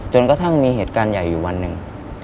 กระทั่งมีเหตุการณ์ใหญ่อยู่วันหนึ่ง